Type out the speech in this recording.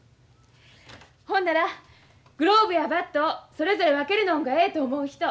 ほんならグローブやバットをそれぞれ分けるのんがええと思う人。